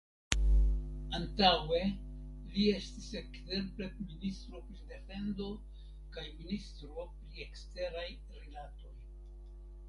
Antaŭe li estis ekzemple ministro pri defendo kaj ministro pri eksteraj rilatoj.